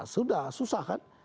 sudah susah kan